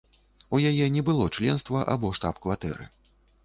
У яе не было членства або штаб-кватэры.